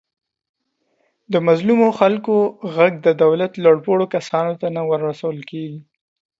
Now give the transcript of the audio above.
د مظلومو خلکو غږ د دولت لوپوړو کسانو ته نه ورسول کېږي.